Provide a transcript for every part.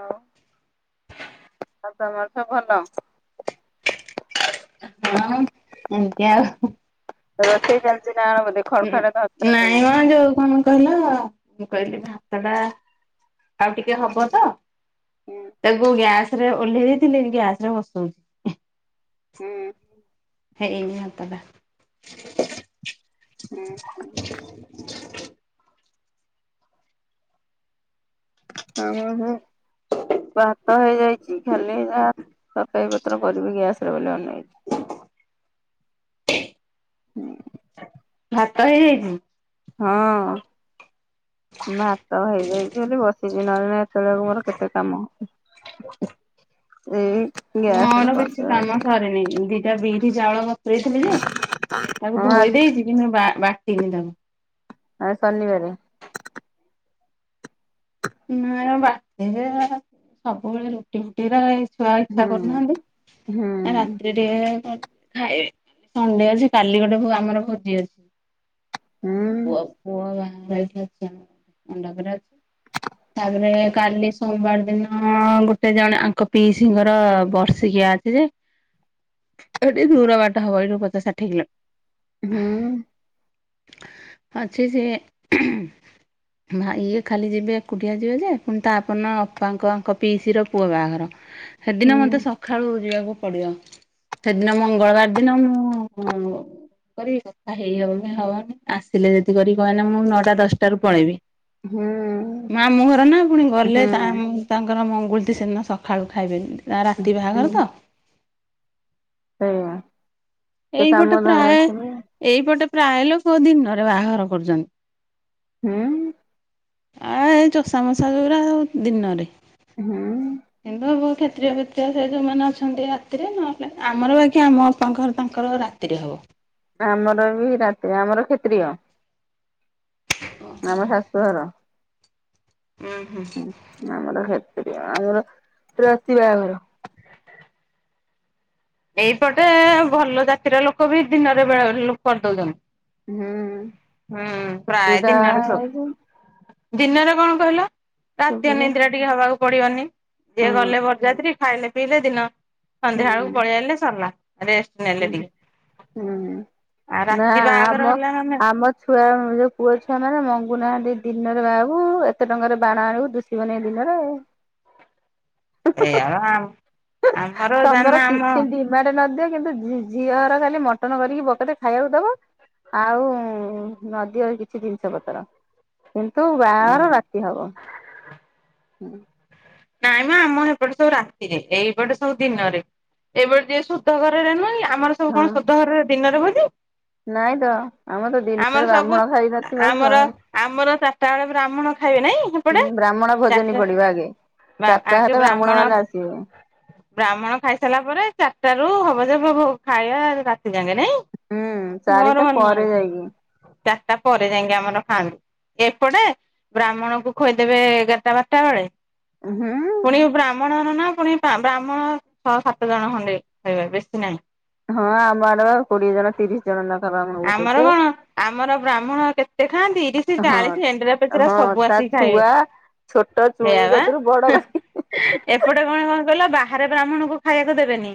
ଆଉ ଆଉ ତମର ତ ଭଲ। ହଁ ଏମତି ଆଉ। ରୋଷେଇ ଚାଲଚି ନା ବୋଧେ ଖଡ ହୁଁ ଖଡ ଧଡ ଧଡ ନାଇଁ ମ ଯୋଉ କଣ କହିଲ ମୁଁ କହିଲି ଭାତ ଟା ଆଉ ଟିକେ ହବ ତ। ଶୁଭୁଛି। ତାକୁ ଗ୍ୟାସରେ ଓହ୍ଲେଇ ଦେଇଥିଲି ଗ୍ୟାସରେ ବସଉଛି। ହୁଁ। ହେଇନି ଭାତଟା ହୁଁ। ଆମ ଭ ଭାତ ହେଇଯାଇଚି ଖାଲି ଯାହା ତରକାରୀ ପତ୍ର କରିବି ଗ୍ୟାସରେ ବୋଲି ଅନେଇଚି। ଭାତ ହେଇଯାଇଜି ହଁ। ଭାତ ହେଇଯାଇଛି ବୋଲି ବସିଛି ନହେଲେ ଏତେବେଳକୁ ମୋର କେତେ କାମ ଦେଇ ମୋର କିଛି କାମ ସରିନି ଦିଦି ଏ ବିରି ଚାଉଳ ବତୁରେଇଥିଲି ଯେ ତାକୁ ହଁ ଧୋଇ ଆଜି ଦେଇଛି କିନ୍ତୁ ବା ବାଟିନି ତାକୁ ଆ ଶନିବାରେ ନା ବାଟି କିଏ ଦବ ସବୁବେଳେ ରୁଟି ଫୁଟିରା ଏଇ ଛୁଆ ଇଚ୍ଛା ହୁଁ କରୁନାହାନ୍ତି ହୁଁ ଏ ରାତ୍ରିରେ କଣ ସଣ୍ଡେ ଅଛି କାଲି ଗୋଟେ ଭୋ ଆମର ଭୋଜି ହୁଁ ଅଛି ପୁଅ ପୁଅ ବାହାଘର ଏଇଠି ଅଛି ମଣ୍ଡପରେ ଅଛି। ତାପରେ କାଲି ସୋମବାର ଦିନ ଗୋଟେ ଜଣେ ଆଙ୍କ ପିଇସିିଙ୍କର ବର୍ଷିଖିଆ ଅଛି ଯେ ଏଟୁ ଟିକେ ଦୂର ବାଟ ହବ ଏଠୁ ପଚାଶ ଷାଠିଏ କିଲୋ ହୁଁ। ଅଛି ସିଏ ଭାଇ ଇଏ ଖାଲି ଯିବେ ଏକୁଟିଆ ଯିବେ ଯେ ପୁଣି ତାପର ଦିନ ଅପାଙ୍କ ଆଙ୍କ ପିଇସିର ପୁଅ ବାହାଘର ସେଦିନ ହୁଁ ମତେ ସ ସଖାଳୁ ଯିବାକୁ ପଡିବ ସେଦିନ ମଙ୍ଗଳବାର ଦିନ ମୁଁ କରିବି କଥା ହେଇ ହବନି ହବନି ଆସିଲେ ଯଦି କରିବି କ କାଇଁନା ମୁଁ ନଅଟା ଦଶଟାରୁ ପଳେଇବି। ହୁଁ। ମାମୁଁ ଘର ନା ପୁଣି ଗଲେ ହୁଁ ତାଙ୍କର ମଙ୍ଗୁଳିଟି ସେଦିନ ସକାଳୁ ଖାଇବେ ଯେମିତି ତାର ରାତି ବାହାଘର ତ ହୁଁ ସେ ଏଇପଟେ କାମ ଧନ୍ଦା ପ୍ରାୟ ସବୁ ଏଇପଟେ ପ୍ରାୟେ ଲୋକ ଦିନରେ ବାହାଘର କରୁଛନ୍ତି। ହୁଁ। ଆ ଏ ଚଷା ମଶା ଯୌଗୁର ସବୁ ଦିନରେ। ହୁଁ ହ [unintelligible] କ୍ଷେତ୍ରୀୟ ଫେତ୍ରିୟ ସେ ଯୋଉମାନେ ଅଛନ୍ତି ରାତିରେ ନହେଲେ ଆମର ବାକି ଆମ ଅପାଙ୍କ ଘର ତାଙ୍କ। ତାଙ୍କର ରାତିରେ ହବ। ଆମର ବି ରାତିରେ ଆମର କ୍ଷତ୍ରୀିୟ ଆମ ଶାଶୁଘର। ଉଁ ହୁଁ ଆମର କ୍ଷେତ୍ରିୟ ଆମର ରାତି ବାହାଘର। ଏଇପଟେ ଭଲ ଜାତିର ଲୋକ ବି ଦିନରେ ବେଳେବେଳିି ଲୋକ ହୁଁ। କରିଦଉଛନ୍ତି। ହୁଁ ପ୍ରାୟ ସୁବିଧା ଦିନରେ ହଉଛି ସବୁ। ଦିନରେ କଣ କହିଲ ରାତି ସୁବିଧା ଅନିଦ୍ରା ଟିକେ ହବାକୁ ପଡିବନି। ଯିଏ ହଁ ଗଲେ ବରଯାତ୍ରୀ ଖାଇଲେ ପିଇଲେ ଦିନ ସନ୍ଧ୍ୟା ବେଳକୁ ପଳେଇଆଇଲେ ସରିଲା ରେଷ୍ଟ। ନେଲେ ଟିକେ ହଁ ହୁଁ ଆଉ ନାଁ ରାତି ବାହାଘର ଆମ ହେଲା ମାନେ ଆମ ଛୁଆ ଯୋଉ ପୁଅ ଛୁଆ ମାନେ ମଙ୍ଗୁନାହାନ୍ତି ଦିନରେ ବାହା ହବୁ ଏତେ ଟଙ୍କାରେ ବାଣ ଆଣିବୁ ଦୁ [inaudible] ଦିନରେ। ଏୟା ପା ଆମର ଜାନା ଆମ। ଡିମାଟେ ନଦିଅ କିନ୍ତୁ ଝି ଝିଅ ଘର ଖାଲି ମଟନ କରିକି ବକତେ ଖାଇବାକୁ ଦବ। ଆଉ ନ ଦିଅ କିଛି ଜିନିଷ ପତ୍ର। କିନ୍ତୁ ବାହାଘର ରାତି ହବ। ନାଇଁ ମ ଆମ ସେପଟେ ସବୁ ରାତିରେ ଏଇପଟେ ସବୁ ଦିନରେ। ଏପଟେ ଯିଏ ଶୁଦ୍ଧ ଘରରେ ନୁହେଁକି ଆମର ସବୁ କଣ ଶୁଦ୍ଧ ଘରରେ ଦିନରେ ହୁଏ କି। ନାଇଁତ ଆମରତ ଦିନରେ ବ୍ରାହ୍ମଣ ଖାଇ ଆମର ନଥିବତ। ଆମର ଚାରିଟା ବେଳେ ବ୍ରାହ୍ମଣ ଖାଇବେ ନାହିଁ। ହୁଁ, ବ୍ରାହ୍ମଣ ଭୋଜନୀ ପଡିବ। ଆଗେ ଚାରିଟା ହେଲେ ବ୍ରାହ୍ମଣ ମାନେ ଆସିବେ। ବ୍ରାହ୍ମଣ ଖାଇସାରିଲା ପରେ, ଚାରିଟା ରୁ ହବ ଯେ [inaudible] ଖାଇବା। ଜାଣି ନାଇଁ, ହୁଁ ଚାରିଟା ମୋର ପରେ ମନେ। ଯାଇକି [inaudible] ଚାରିଟା ପରେ ଯାଇକି ଆମର ଖାଆନ୍ତି। ଏପଟେ ବ୍ରାହ୍ମଣକୁ ଖୋଇଦେବେ ଏଗାରଟା, ବାରଟା ବେଳେ। ହୁଁ। ପୁଣି ବ୍ରାହ୍ମଣ ନନା, ପୁଣି ବ୍ରାହ୍ମଣ ଛଅ ସାତ ଜଣ ଖଣ୍ଡେ। ଖାଇବା ବେଶୀ ନାହିଁ। ହଁ, ଆମର ଆଡେ ପା କୋଡିଏ ଜଣ, ତିରିଶ ଜଣ ଲେଖା ବ୍ରାହ୍ମଣ ଆମର ବସେଇବେ। କଣ ଆମର ବ୍ରାହ୍ମଣ କେତେ ଖାଆନ୍ତି ତିରିଶ ଚାଳିଶ ଏଣ୍ଡୁରା ହଁ ପେଚରା ହଁ ସବୁ ତା ଆସିକି ଖାଇବେ। ଛୁଆ, ଛୋଟ ସେଇଆ ଚୁଇଁ ବା କତିରୁ ବଡ କତି ଏପଟେ କଣ କଣ କହିଲ? ବାହାରେ ବ୍ରାହ୍ମଣକୁ ଖାଇବାକୁ ଦେବେନି?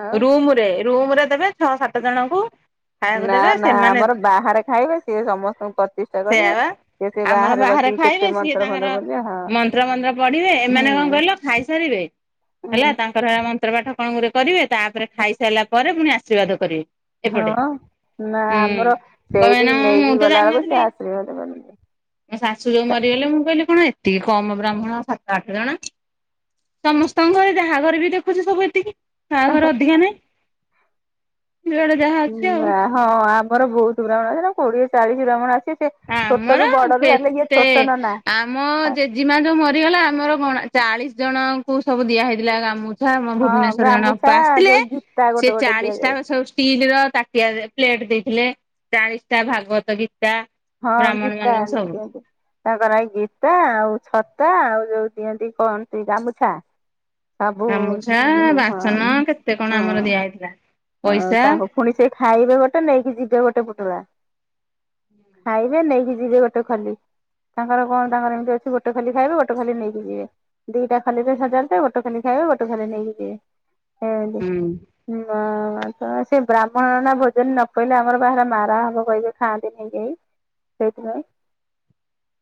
ଆଉ ରୁମ୍ ରେ ରୁମ୍ ରେ ଦେବେ, ଛଅ -ସାତ ଜଣଙ୍କୁ। ଖାଇବାକୁ ନା, ଦେବେ ନା, ସେମାନେ ଆମର ବାହାରେ ଖାଇବେ। ସିଏ ସମସ୍ତଙ୍କୁ ପ୍ରତିଷ୍ଠା ସେଇଆ କରିବେ। ବା ସେ ସେ ଆମର ବାହାରେ ବସିକି କେତେ ଖାଇବେ, ସିଏ ମନ୍ତ୍ର ତାଙ୍କର ଫନ୍ତ୍ର ବୋଲିବେ ହଁ ମନ୍ତ୍ର ମନ୍ତ୍ର ପଢିବେ, ଏମାନେ କଣ ହୁଁ କହିଲ ଖାଇସାରିବେ, ହୁଁ। ହେ। ତାଙ୍କର ହେ ମନ୍ତ୍ର ପାଠ କଣ ଗୋଟିଏ କରିବେ, ତାପରେ ଖାଇସାରିଲା ପରେ ପୁଣି ଆଶୀର୍ବାଦ କରିବେ। ଏପଟେ, ହଁ ନା ହୁଁ, ଆମର କ ସେଇଠି [inaudible] ନେଇକି ମୁଁ ତ ଗଲା ବେଳକୁ ଜାଣିନଥିଲି। ସେ [inaudible] ମୋ ଶାଶୁ ଯୋଉ ମରିଗଲେ, ମୁଁ କହିଲି, କଣ ଏତିକି କମ୍ ବ୍ରାହ୍ମଣ? ସାତ ଆଠ ଜଣ? ସମସ୍ତଙ୍କ ଘରେ, ଯାହାଘରେ ବି ଦେଖୁଛି, ସବୁ ଏତିକି। କାହାଘର ଅଧିକା ନାଇ,। ଉ, ହଁ, ଆମର ବହୁତ ବ୍ରାହ୍ମଣ। କୋଡିଏ ଚାଳିଶ ବ୍ରାହ୍ମଣ ଆସିବ। ଆମର କେତେ ନନା ମୋ ଜେଜିମା ଯୋଉ ମରିଗଲା, ଆମର ଚାଳିଶ ଜଣଙ୍କୁ ସବୁ ଦିଆ ହେଇଥିଲା, କାମୁ [unintelligible] ହଁ ଭୁବନେଶ୍ଵର ଜଣେ ଗାମୁଛା ଅପା ଆସିଥିଲେ। ଯୋଉ ଗୀତା ଗୋଟେ ସେ ଗୋଟେ ଚାଳିଶ ଟା ଦିଆଯାଏ ସବୁ ଷ୍ଟିଲ ର, ତା ପିଆ, ପ୍ଲେଟ ଦେଇଥିଲେ, ଚାଳିଶ ଟା ଭାଗବତ ଗୀତା। ହଁ, ବ୍ରାହ୍ମଣ ଗୀତା ମାନଙ୍କୁ ସବୁ ଦିଅନ୍ତି। ତାଙ୍କ ନାଇକି ଗୀତା, ଆଉ ଛତା, ଆଉ ଯୋଉ ଦିଅନ୍ତି କଣ ତି ଗାମୁଛା। ଗାମୁଛା ସାବୁନ। ବାସନ କେତେ କଣ ଆମର ଦିଆ [inaudible] ହେଇଥିଲା ହଁ, ପଇସା ତାଙ୍କୁ ପୁଣି ସେ ଖାଇବେ ଗୋଟେ ନେଇକି ଯିବେ, ଗୋଟେ ପୁଟୁଳା। ଖାଇବେ, ନେଇକି ଯିବେ ଗୋଟେ ଖଲି। ତାଙ୍କର କଣ, ତାଙ୍କର ଏମିତି ଅଛି ଗୋଟେ ଖଲି ଖାଇବେ, ଗୋଟ ଖଲି ନେଇକି ଯିବେ। ଦିଟା ଖଲିରେ ସଜାଡ଼ି ଥିବେ। ଗୋଟେ ଖାଲି ଖାଇବେ, ଗୋଟେ ଖାଲି ନେଇକି ଯିବେ। ସେମିତି। ହୁଁ। ହଁ, ତ ସେ ବ୍ରାହ୍ମଣ ନା। ଭୋଜନ ନ ପଇଲେ ଆମର ବାହାରେ ମାରା ହବ କହିବେ, ଖାଆନ୍ତିନି କେହି। ସେଇଥିପାଇଁ।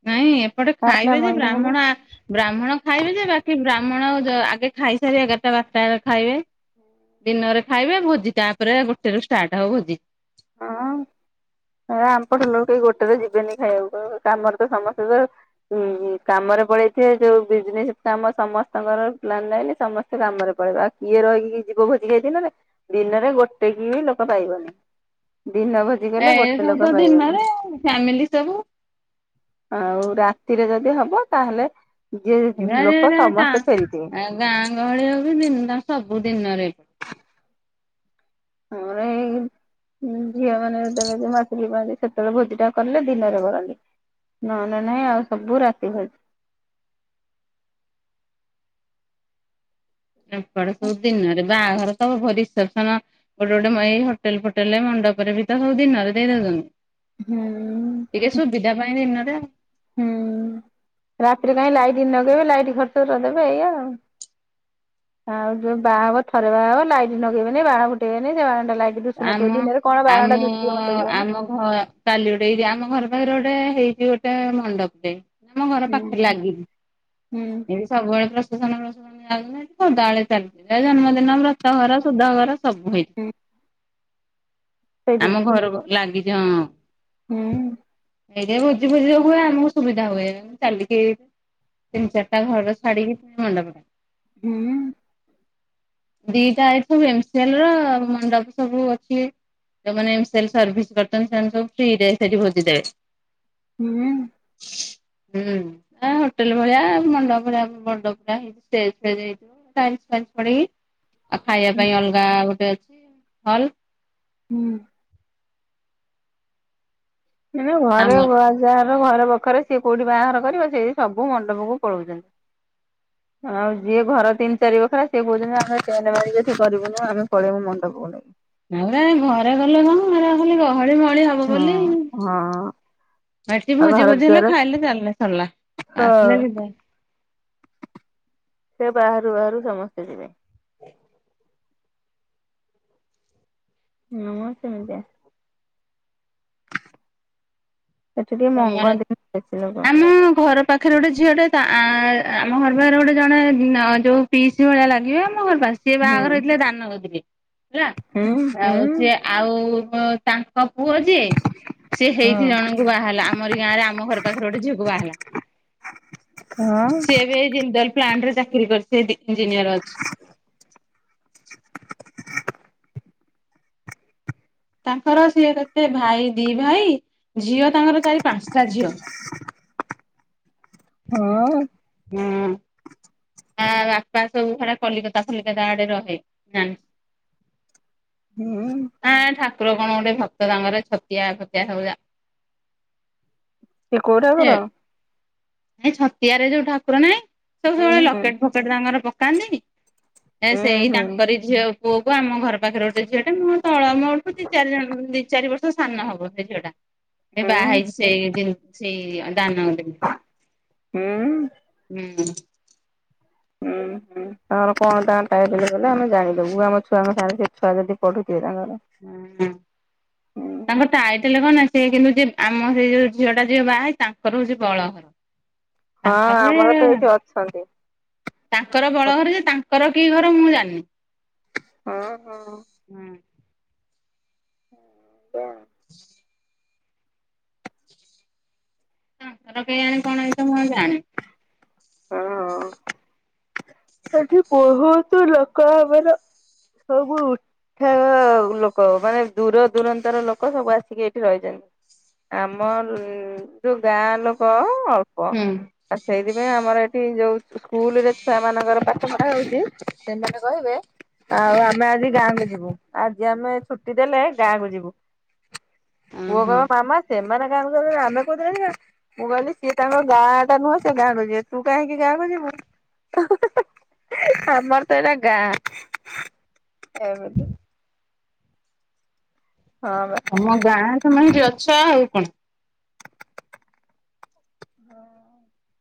ନାହିଁ, ଏପଟେ ତାପରେ ଖାଇବେ ଯେ ମଇଣ୍ଡ ହବ ବ୍ରାହ୍ମଣ ଆ ବ୍ରାହ୍ମଣ ଖାଇବେ ଯେ, ବାକି ବ୍ରାହ୍ମଣ ଜ ଆଗେ ଖାଇସାରି, ଏଗାରଟା ବାରଟା ବେଳେ ଖାଇବେ। ଦିନରେ ଖାଇବେ ଭୋଜି। ତାପରେ ଗୋଟେ ରୁ ଷ୍ଟାର୍ଟ ହବ ଭୋଜି। ହଁ। [inaudible] ଆମ ପଟ ଲୋକ କେହି ଗୋଟେ ରେ ଯିବେନି ଖାଇବାକୁ। କହିବେ, କାମର ତ ସମସ୍ତେ ତ ଉଁ, ଉଁ, କାମରେ ପଳେଇଥିବେ। ଯୋଉ ବିଜନେସ୍ କାମ, ସମସ୍ତଙ୍କର ପ୍ଲାନ ହେଇନି, ସମସ୍ତ ସମସ୍ତେ କାମରେ ପଳେଇବ। ଆଉ କିଏ ରହିକି ଯିବ ଭୋଜି ଖାଇ ଦିନରେ, ଦିନରେ ଗୋଟେ କି ବି ଲୋକ ପାଇବନି। ଦିନ ଭୋଜ୍ ଏ ସବୁ ତ ଦିନରେ ଆଉ, ଫ୍ୟାମିଲି ସବୁ ଆଉ ରାତିରେ ଯଦି ହବ, ତାହେଲେ ଯିଏ ଏରା ଲୋକ ଏରା ଟା ସମସ୍ତେ ଫେରିଥିବେ। ଆ ଗାଁ ଗହଳିରେ ହଉ ବି, ଦିନ ସବୁ ଦିନରେ। ଆମର ଏଇ ଉଁ ଝିଅ ମାନେ ଯେତେବେଳେ ଯୋଉ ମାସିକା ପାଆନ୍ତି ସେତେବେଳେ ଭୋଜି ଟା କଲେ ଦିନରେ କରନ୍ତି। ନହେଲେ ନାଇଁ ଆଉ ସବୁ ରାତି ହୁଏ। ଏପଟେ ସବୁ ଦିନରେ ବାହାଘର ତ ହବ ରିସେପସନ ଗୋଟେ ଗୋଟେ ଏଇ ହୋଟେଲ୍ ଫୋଟଲ୍ ଏ ମଣ୍ଡପରେ ବି ତ ସବୁ ଦିନରେ ଦେଇଦେଉଛନ୍ତି। ହୁଁ ଟିକେ ସୁବିଧା ପାଇଁ ଦିନରେ ଆଉ। ହୁଁ, ରାତିରେ କାଇଁ ଲାଇଟ୍ ଲଗେଇବେ ଲାଇଟ୍ ଖର୍ଚ୍ଚ ଗୁରା ଦେବେ ଏଇଆ ଆଉ। ଆଉ ଯୋଉ ବାହା ହବ ଥରେ ବାହା ହବ ଲାଇଟ୍ ନଗେଇବେନି ବାଣ ଫୁଟେଇବେନି ସେ ବାଣ ଟା ଲାଇ ସେଠୁ ଆମ ଦିଶୁନଥିବ ଦିନରେ କଣ ବାଣ ଟା ଦିଶିବ ମତେ କୁହନି। ହଁ, କାଲି ଗୋଟେ ହେଇଛି ଆମ ଘର ପାଖରେ ଗୋଟେ ହେଇଛି ଗୋଟେ ମଣ୍ଡପରେ। ଆମ ଘର ହୁଁ ପାଖରେ ଲାଗିକି, ହୁଁ ଏବେ ସବୁବେଳେ ପ୍ରସେସନ ଫସେସନ ଲାଗୁ ସଦାବେଳେ ଚାଲିଚି ଜନ୍ମଦିନ ବ୍ରତଘର ସୁଧଘର ସବୁ ହେଇଛି। ହୁଁ। ସେଇଠି ଆମ ଘରକୁ ଲାଗିଛି ହଁ। ହୁଁ। ଏଇ ଯୋଉ ଭୋଜି ଫୋଜି ସବୁବେଳେ ହୁଏ ଆମକୁ ସୁବିଧା ହୁଏ ଚାଲିକି ତିନି, ଚାରିଟା ଘରା ଛାଡିକି ମଣ୍ଡପ। ହଁ। ଦିଟା ଆଇଫୋ ଏମ ସିଏ ଲ ର ମଣ୍ଡପ। ସବୁ ଅଛି, ଯୋଉମାନେ ସେଲ୍ ସର୍ଭିସ୍ କରିଛନ୍ତି ସେମାନେ ସବୁ ଫ୍ରି ରେ ସେଠି ଭୋଜି ଦେବେ। ହୁଁ। ହୁଁ, ଏ ହୋଟେଲ ଭଳିଆ ମଣ୍ଡପ ଭଳିଆ ବଡ଼ ପୁରା ହେଇଛି ଷ୍ଟେଜ୍ ଫେଜ୍ ହେଇଥିବ। ଟାଇଲ୍ ଫାଇଲ୍ ପଡିଇକି ଆଉ ଖାଇବା ହୁଁ ପାଇଁ ଅଲଗା ଗୋଟେ ଅଛି ହଲ୍। ହୁଁ। ମାନେ ଆମ ଘରେ ଯାହାର ଘର ବଖରାଏ ସିଏ କୋଉଠି ବାହାଘର କରିବ ସିଏ ସବୁ ମଣ୍ଡପକୁ ପଳଉଛନ୍ତି। ହଁ ଯିଏ ଘର ତିନି ଚାରି ବଖରା ସିଏ କହୁଛନ୍ତି ଆମେ ପେଣ୍ଟ ମାରି କରିବୁନି ଆମେ ପଳେଇବୁ ମଣ୍ଡପକୁ ନେଇ। ତା ପରେ ଏ ଘରେ କଲେ କଣ ଘରେ ଖାଲି ଗହଳି ମହଳି ହବ ବୋଲି। ହଁ ହଁ ଏଠି ଆଉ ଭୋଜି ଘର ଫୋଜି ହେଲେ ଦ୍ୱାର ଖାଇଲେ ଚାଲିଲେ ସରିଲା ହଁ ଆସିଲେ କେତେ ସେ ବାହାରୁ ବାହାରୁ ସମସ୍ତେ ଯିବେ। ହଁ ମ ସେମିତିଆ। ସେଠି ଟିକେ ତମର ମଙ୍ଗନ୍ତିନି ବେଶୀ ଲୋକ। ଆମ ଘର ପାଖରେ ଗୋଟେ ଝିଅଟେ ତା ଆ ଆମ ଘର ପାଖରେ ଗୋଟେ ଜଣେ ଯୋଉ ପିଇସି ଭଳିଆ ଲାଗିବେ ଆମ ଘର ପାଖରେ। ସିଏ ହୁଁ ବାହାଘର ହେଇଥିଲେ ଦାନଗଦି ରେ ହେଲା ହୁଁ ଆଉ ହୁଁ ସେ ଆଉ ତାଙ୍କ ପୁଅ ଯିଏ ସେ ହଁ ହେଇଠି ଜଣଙ୍କୁ ବାହା ଆମରି ଗାଁ ରେ ଆମ ଘର ପାଖରେ ଗୋଟେ ଝିଅକୁ ବାହାହେଲା ହଁ ସିଏ ସିଏ ଏ ଜିନ୍ଦଲ ପ୍ଲାଣ୍ଟ ରେ ଚାକିରି କରିଚି ଇଞ୍ଜିନିୟର ଅଛି। [inaudible] ତାଙ୍କର ସିଏ କେତେ ଭାଇ ଦି ଭାଇ ଝିଅ ତାଙ୍କର ଚାରି ପାଞ୍ଚଟା ଝିଅ [inaudible] ହଁ। ହୁଁ। ଆ ତା ବାପା ସବୁ ହେରା କଲିକତା ଫଲିକତା ଆଡେ ରହେ ଜାନି ହୁଁ। ହଁ ଠାକୁର କଣ ଗୋଟେ ଭକ୍ତ ତାଙ୍କର ଛତିଆ ଫତିଆ ସବୁ ଜାଆନ୍ତି। ସେ କୋଉ ଏ ଠାକୁର? ଏ ଛତିଆରେ ଯୋଉ ଠାକୁର ନାହିଁ, ସବୁ ହୁଁ ସବୁବେଳେ ହୁଁ ଲକେଟ-ଫକେଟ ତାଙ୍କର ପକାନ୍ତି। ଏ ସେଇ ହୁଁ ହୁଁ ତାଙ୍କରି ଝିଅ ପୁଅକୁ ଆମ ଘର ପାଖରେ ଗୋଟେ ଝିଅ ଟେ ମୋ ଠୁ ତଳ ଦି ଚାରି ବର୍ଷ ସାନ ହେବ ସେ ଝିଅ ଟା। ସେ ହୁଁ ବାହା ହେଇଛି ସେଇଠି ସେ ଦାନଗଦି ରେ। ହୁଁ। ହୁଁ। ହୁଁ ହୁଁ। ତାଙ୍କର କଣ ତାଙ୍କ ଟାଇଟେଲ୍ କହିଲେ ଆମେ ଜାଣିଦବୁ, ଆମ ଛୁଆଙ୍କ ସାଙ୍ଗରେ ସେ ଛୁଆ ଯଦି ପଢୁଥିବେ ତାଙ୍କର। ହୁଁ ତାଙ୍କର ଟାଇଟେଲେ କଣ ନା, ସେ କିନ୍ତୁ ଯିଏ ଆମ ସେଇ ଯୋଉ ଝିଅ ଟା ଯିଏ ବାହ ତାଙ୍କର ହଉଛି ବଳ ଘର। ହଁ ତାଙ୍କର ଆମର ତ ଏ ଏଇଠି ଅଛନ୍ତି ତାଙ୍କର ହଁ ବଳ ଘର ଯେ, ତାଙ୍କର କି ଘର ମୁଁ ଜାଣିନି। ହଁ। ହୁଁ। [inaudible] ତାଙ୍କର କେଇ ଆଣି କଣ ହେଇଥିବ ମୁଁ ଜାଣିନି। ଓହୋଃ। ସେଠି ବହୁତ ଲୋକ ଆମର ସବୁ ଉଠା ଲୋକ ମାନେ ଦୂର ଦୂରାନ୍ତର ଲୋକ ସବୁ ଆସିକି ଏଇଠି ରହିଛନ୍ତି। ଆମ ଯୋଉ ଗାଁ ଲୋକ ଅଳ୍ପ। ହୁଁ। ଆଉ ସେଇଥିପାଇଁ ଆମର ଏଠି ଯୋଉ ସ୍କୁଲରେ ର ପାଠ ପଢ଼ା ହଉଛି ସେମାନେ କହିବେ ଆଉ ଆମେ ଆଜି ଗାଁକୁ ଯିବୁ। ଆଜି ଆମେ ଛୁଟି ଦେଲେ ଗାଁକୁ ଯିବୁ। ପୁଅ କହିବ ମାମା ସେମାନେ ଗାଁ କୁ ଯାଉଛନ୍ତି ଆମେ କୋଉ ଦିନ ଯିବା? ମୁଁ କହିଲି ସିଏ ତାଙ୍କ ଗାଁ ଏଟା ନୁହଁ ସେ ଗାଁକୁ ଯିବେ। ତୁ କାହିଁକି ଗାଁକୁ ଯିବୁ? ଆମର ତ ଏଇଟା ଗାଁ। ଏମିତି। ହଁ ବା। ତମ ଗାଁ ତମେ ହେଠି ଅଛ ଆଉ କଣ। [inaudible]